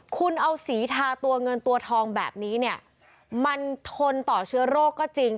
คุณเอาสีทาตัวเงินตัวทองแบบนี้เนี่ยมันทนต่อเชื้อโรคก็จริง